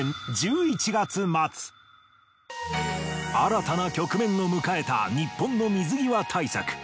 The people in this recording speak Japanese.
新たな局面を迎えた日本の水際対策。